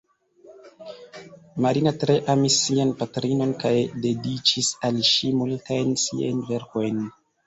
Marina tre amis sian patrinon kaj dediĉis al ŝi multajn siajn verkojn.